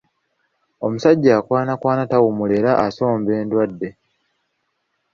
Omusajja akwanakwana tawummula era asomba endwadde.